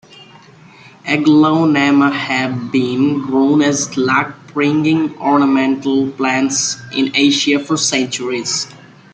"Aglaonema" have been grown as luck-bringing ornamental plants in Asia for centuries.